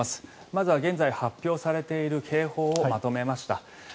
まずは現在発表されている警報をまとめました。